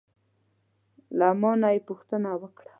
له ما نه یې پوښتنه وکړه: